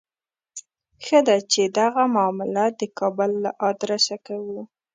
ښه ده چې دغه معامله د کابل له آدرسه کوو.